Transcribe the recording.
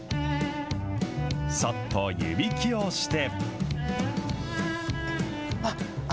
さっと湯引きをして。